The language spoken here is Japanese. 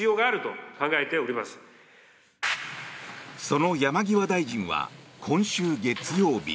その山際大臣は今週月曜日。